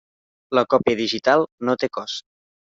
La còpia digital no té cost.